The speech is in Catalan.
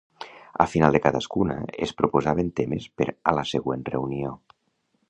Al final de cadascuna, es proposaven temes per a la següent reunió.